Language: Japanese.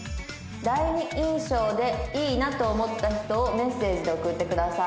「第二印象でいいなと思った人をメッセージで送ってください」